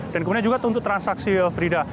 dan kemudian juga untuk transaksi frida